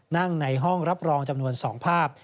นั่งในห้องรับรองจำนวน๒ภาพ